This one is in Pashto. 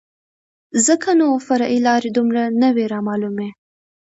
ځکه نو فرعي لارې دومره نه وې رامعلومې.